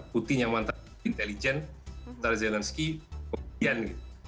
putin yang mantan intelijen sementara zelensky komedian